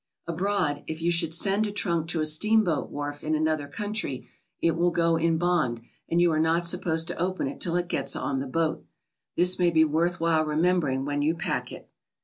Abroad, if you s^hculd send a trunk to a steamboat wharf in aniother country, it will go in bond and you are not sup posed to open it till it gets on the boat. This may be worth while remembering when you pack it.